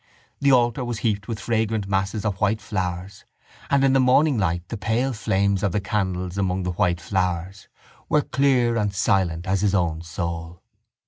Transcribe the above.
The altar was heaped with fragrant masses of white flowers; and in the morning light the pale flames of the candles among the white flowers were clear and silent as his own soul.